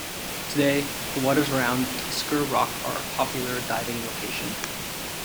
Today, the waters around Tusker Rock are a popular diving location.